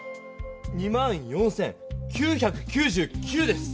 あ２４９９９です。